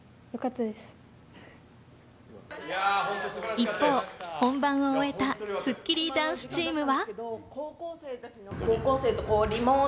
一方、本番を終えたスッキリダンスチームは。